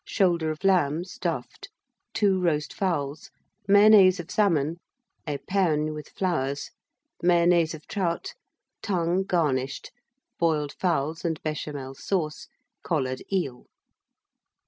Shoulder of Lamb, stuffed. Two Roast Fowls. Mayonnaise of Salmon. Epergne, with Flowers. Mayonnaise of Trout. Tongue, garnished. Boiled Fowls and Béchamel Sauce. Collared Eel.